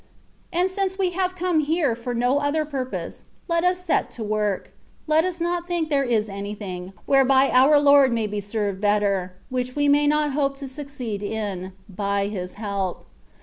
And since we have come here for no other pur pose, let us set to work ; let us not think there is anything, whereby our Lord may be served better, winch we may not hope to succeed in, by His help.